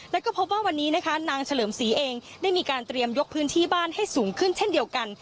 แล้วก็พบว่าวันนี้นะคะนางเฉลิมศรีเองได้มีการเตรียมยกพื้นที่บ้านให้สูงขึ้นเช่นเดียวกัน